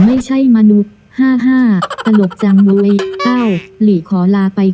ไม่ใช่มนุษย์๕๕ตลกจังเว้ยอ้าวหลีขอลาไป